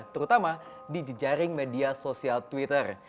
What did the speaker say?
terutama di jejaring media sosial twitter